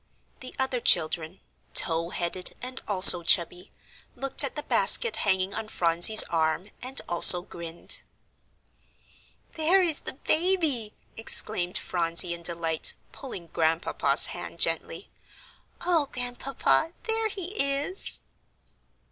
The other children, tow headed and also chubby, looked at the basket hanging on Phronsie's arm, and also grinned. "There is the baby!" exclaimed Phronsie, in delight, pulling Grandpapa's hand gently. "Oh, Grandpapa, there he is."